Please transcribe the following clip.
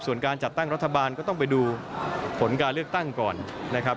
ส่วนการจัดตั้งรัฐบาลก็ต้องไปดูผลการเลือกตั้งก่อนนะครับ